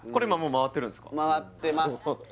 回ってます